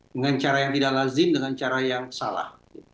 dengan cara yang tidak lazim dengan cara yang salah